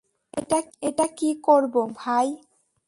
এটা কী করব, ভাই?